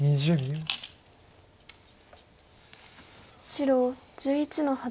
白１１の八。